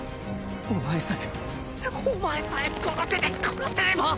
お前さえお前さえこの手で殺せれば！